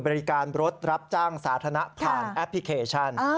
บริการรถรับจ้างสาธารณะผ่านแอปพลิเคชัน